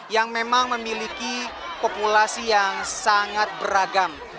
yang memang memiliki populasi yang sangat beragam